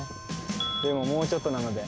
でももうちょっとなので。